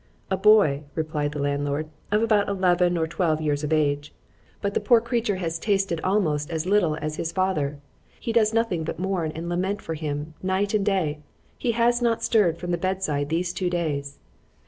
_—A boy, replied the landlord, of about eleven or twelve years of age;—but the poor creature has tasted almost as little as his father; he does nothing but mourn and lament for him night and day:——He has not stirred from the bed side these two days.